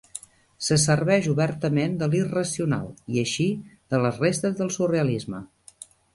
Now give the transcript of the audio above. Se serveix obertament de l'irracional, i així, de les restes del surrealisme.